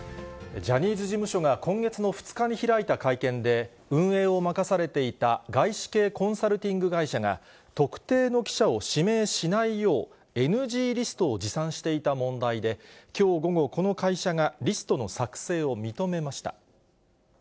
ジャニーズ事務所が今月の２日に開いた会見で、運営を任されていた外資系コンサルティング会社が、特定の記者を指名しないよう、ＮＧリストを持参していた問題で、きょう午後、この会社がリストの作成を認めました。